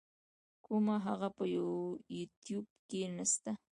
کوومه هغه په یو يټیوب کی نسته.